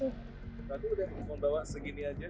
tadi udah bisa membawa segini aja